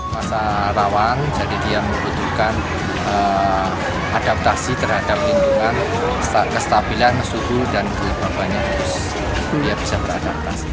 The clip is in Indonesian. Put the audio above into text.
masa rawang jadi dia membutuhkan adaptasi terhadap lindungan kestabilan suhu dan kelembabannya terus